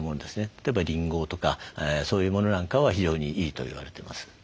例えばりんごとかそういうものなんかは非常にいいと言われてます。